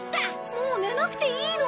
もう寝なくていいの？